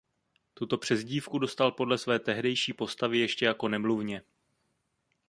Tuto přezdívku dostal podle své tehdejší postavy ještě jako nemluvně.